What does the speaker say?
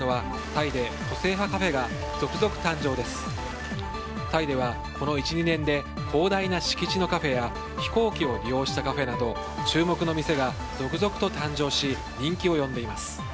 タイではこの１２年で広大な敷地のカフェや飛行機を利用したカフェなど注目の店が続々と誕生し人気を呼んでいます。